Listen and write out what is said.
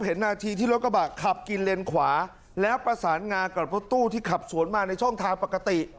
นาทีที่รถกระบะขับกินเลนขวาแล้วประสานงากับรถตู้ที่ขับสวนมาในช่องทางปกติ